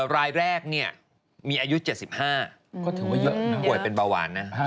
รายแรกเนี่ยมีอายุ๗๕ก็ถือว่าเยอะนะป่วยเป็นเบาหวานนะ